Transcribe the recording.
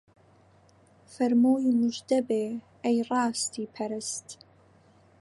فەرمووی موژدەبێ ئەی ڕاستی پەرست